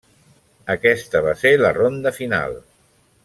Aquesta va ser la ronda final.